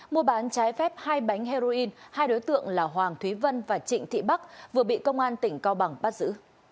mua bán trái phép hai bánh heroin hai đối tượng là hoàng thúy vân và trịnh thị bắc vừa bị công an tỉnh cao bằng bắt giữ